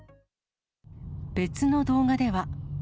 別の動画では。